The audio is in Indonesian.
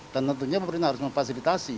dan tentunya pemerintah harus memfasilitasi ya